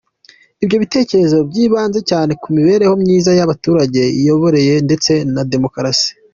Ibyo bitekerezo byibanze cyane ku mibereho myiza y`abaturage, imiyoborere ndetse na demokarasi.